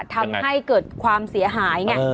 ทำให้เกิดความเสียหายไง